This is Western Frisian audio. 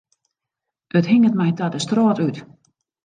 It hinget my ta de strôt út.